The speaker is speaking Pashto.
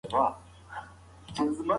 هغه تل د حقایقو په لټه کي و.